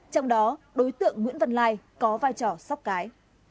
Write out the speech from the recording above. trong đó đối tượng nguyễn văn lai có vai trò sóc cái